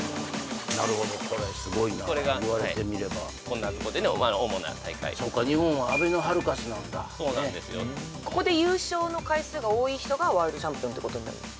なるほどこれすごいな言われてみればはいこんなとこでね主な大会そうか日本はあべのハルカスなんだそうなんですよここで優勝の回数が多い人がワールドチャンピオンってことになるんですか？